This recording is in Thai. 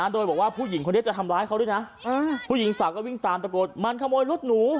โดยบอกว่าผู้หญิงคนนี้จะทำร้ายเขาด้วยนะผู้หญิงสาวก็วิ่งตามตะโกนมันขโมยรถหนู